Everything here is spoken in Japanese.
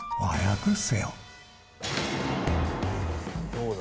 どうだ？